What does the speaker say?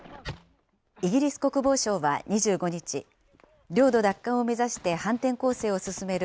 イギリス国防省は２５日、領土奪還を目指して反転攻勢を進める